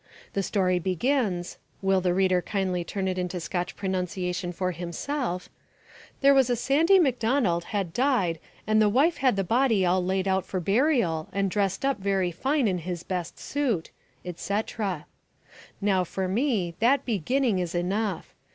The story begins (will the reader kindly turn it into Scotch pronunciation for himself), "There was a Sandy MacDonald had died and the wife had the body all laid out for burial and dressed up very fine in his best suit," etc. Now for me that beginning is enough.